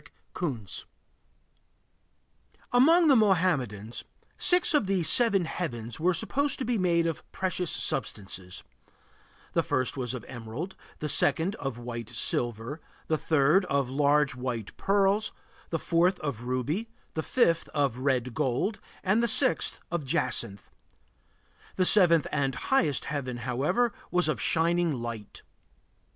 Among the Mohammedans, six of the seven heavens were supposed to be made of precious substances: the first was of emerald; the second, of white silver; the third, of large white pearls; the fourth, of ruby; the fifth, of red gold; and the sixth, of jacinth. The seventh and highest heaven, however, was of shining light.